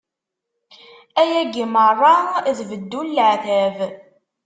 Ayagi meṛṛa, d beddu n leɛtab.